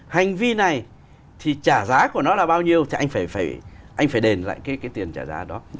hành vi này thì trả giá của nó là bao nhiêu thì anh phải anh phải đền lại cái tiền trả giá đó